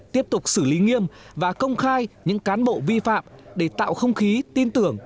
tiếp tục xử lý nghiêm và công khai những cán bộ vi phạm để tạo không khí tin tưởng